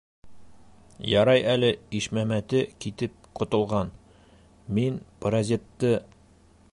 Ярай әле Ишмәмәте китеп ҡотолған, мин паразитты...